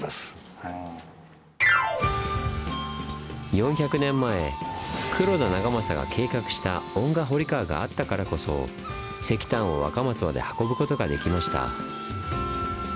４００年前黒田長政が計画した遠賀堀川があったからこそ石炭を若松まで運ぶことができました。